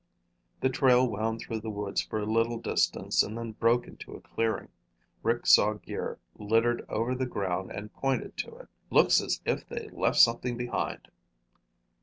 The trail wound through the woods for a little distance and then broke into a clearing. Rick saw gear littered over the ground and pointed to it. "Looks as if they left something behind!"